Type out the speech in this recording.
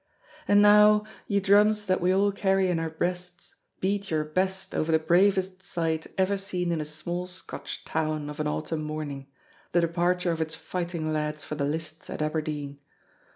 And now, ye drums that we all carry in our breasts, beat your best over the bravest sight ever seen in a small Scotch town of an autumn morning, the departure of its fighting lads for the lists at Aberdeen.